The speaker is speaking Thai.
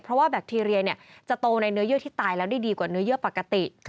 เพราะว่าแบคทีเรียจะโตในเนื้อเยื่อที่ตายแล้วได้ดีกว่าเนื้อเยื่อปกติ